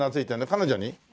彼女に？